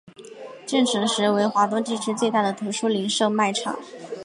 建成时为华东地区最大的图书零售卖场。